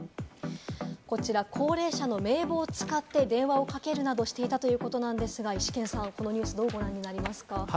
こちら、高齢者の名簿を使って電話をかけるなどしていたということなんですが、イシケンさん、このニュース、どうご覧になりますか？